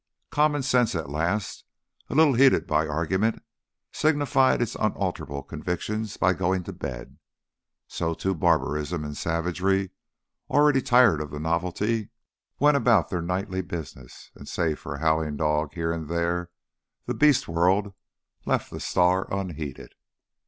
Common sense at last, a little heated by argument, signified its unalterable convictions by going to bed. So, too, barbarism and savagery, already tired of the novelty, went about their nightly business, and save for a howling dog here and there, the beast world left the star unheeded.